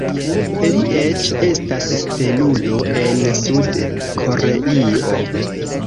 Li eĉ estas stelulo en Sud-Koreio.